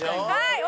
はい。